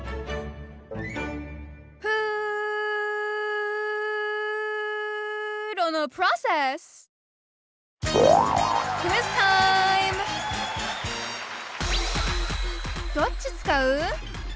プーロのプロセスどっち使う？